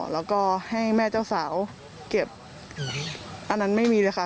แล้วก็ให้แม่เจ้าสาวเก็บอันนั้นไม่มีเลยค่ะ